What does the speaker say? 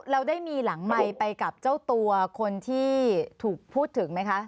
เราได้มีหลังไมค์ไปกับเจ้าตัวคนที่ถูกพูดถึงไหมคะ